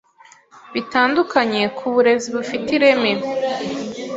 bitandukanye ku burezi bufite ireme